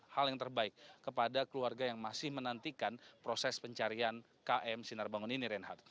hal yang terbaik kepada keluarga yang masih menantikan proses pencarian km sinar bangun ini reinhardt